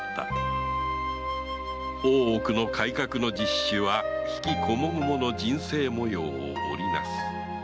大奥の改革実施は悲喜こもごもの人生模様を織りなす